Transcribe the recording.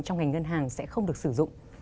trong ngành ngân hàng sẽ không được sử dụng